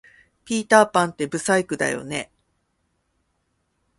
ピーターパンって不細工だよね